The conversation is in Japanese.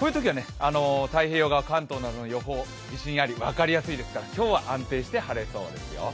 こういうときは太平洋側の天気は自信アリ、分かりやすいですから、今日は安定して晴れそうですよ。